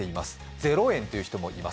０円という人もいます。